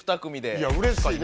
いやうれしいね。